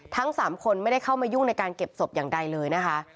ทั้ง๓คนไม่ได้เข้ามายุ่งในการเก็บศพอย่างใดเลยนะคะ